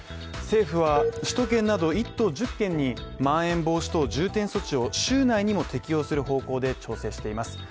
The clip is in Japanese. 政府は、首都圏など１都１０県にまん延防止等重点措置を週内にも適用する方向で調整しています。